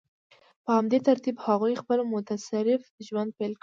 په همدې ترتیب هغوی خپل متصرف ژوند پیل کړ.